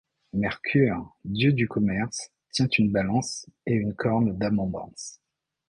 Mercure, dieu du commerce, tient une balance et une corne d’abondance.